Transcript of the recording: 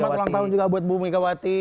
selamat ulang tahun juga buat bumn mejawati